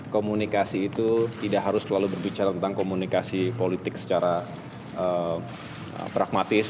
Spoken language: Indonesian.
komunikasi itu tidak harus selalu berbicara tentang komunikasi politik secara pragmatis